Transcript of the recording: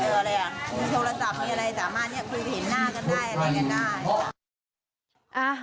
มีโทรศัพท์มีอะไรออกมาก็คือเห็นหน้ากันได้